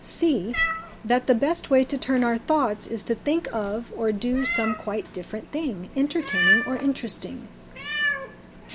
(c) That the best way to turn our thoughts is to think of or do some quite different thing, entertaining or interesting.